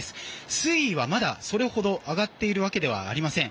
水位はまだそれほど上がっているわけではありません。